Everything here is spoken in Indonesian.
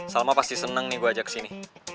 salma pasti seneng nih gua ajak sini